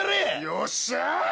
よっしゃ！